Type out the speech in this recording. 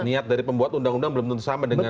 niat dari pembuat undang undang belum tentu sama dengan